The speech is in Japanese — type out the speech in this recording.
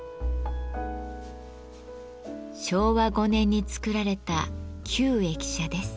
昭和５年に造られた旧駅舎です。